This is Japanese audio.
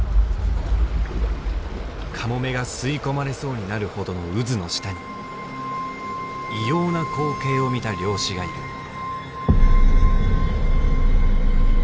カモメが吸い込まれそうになるほどの渦の下に異様な光景を見た漁師がいる。